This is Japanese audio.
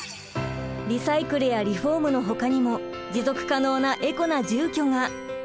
リサイクルやリフォームのほかにも持続可能なエコな住居が！